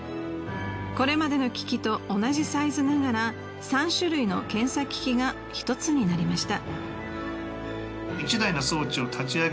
これまでの機器と同じサイズながら３種類の検査機器が１つになりました。